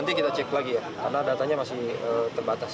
nanti kita cek lagi ya karena datanya masih terbatas